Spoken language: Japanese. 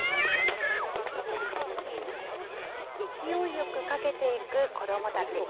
勢いよくかけていく子どもたち。